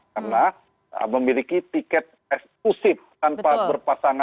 karena memiliki tiket eksklusif tanpa berpasangan